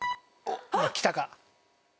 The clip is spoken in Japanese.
⁉あっきたか。